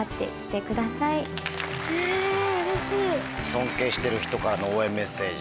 尊敬してる人からの応援メッセージ。